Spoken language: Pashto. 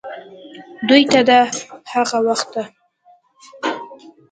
دوې ته دَ هغه وخت